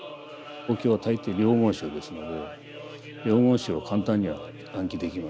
お経は大抵「楞厳呪」ですので「楞厳呪」は簡単には暗記できません。